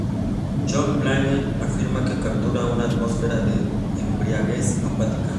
John Blaney afirma que captura "una atmósfera de embriaguez apática".